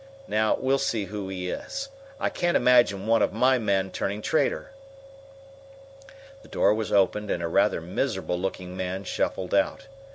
Now we'll see who he is. I can't imagine one of my men turning traitor." The door was opened and a rather miserable looking man shuffled out.